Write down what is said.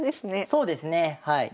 そうですねはい。